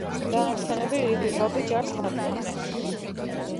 დანარჩენები რიგრიგობით ჯარს სარდლობდნენ.